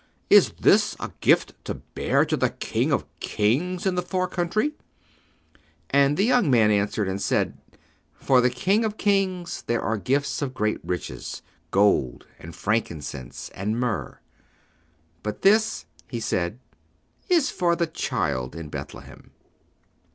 "Is this a gift to bear to the King of Kings in the far country?" And the young man answered and said: "For the King of Kings there are gifts of great richness, gold and frankincense and myrrh. "But this," he said, "is for the child in Bethlehem!"